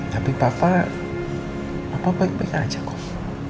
tapi papa apa baik baik aja kok